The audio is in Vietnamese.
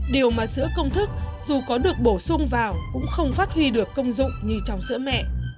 điều mà sữa công thức dù có được bổ sung vào cũng không phát huy được công dụng như trong sữa mẹ